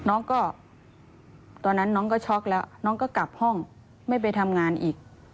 น้องก็ตอนนั้นน้องก็ช็อกแล้วน้องก็กลับห้องไม่ไปทำงานอีก